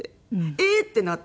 えっ？ってなって。